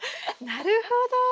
なるほど。